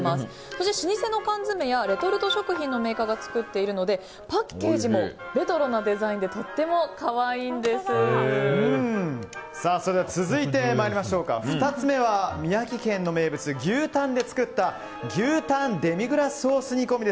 こちら老舗の缶詰やレトルト食品のメーカーが作っているのでパッケージもレトロなデザインで続いて、２つ目は宮城県の名物、牛タンで作った牛タンデミグラスソース煮込み。